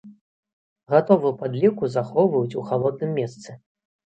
Гатовую падліўку захоўваюць у халодным месцы.